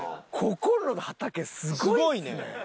ここの畑すごいっすね。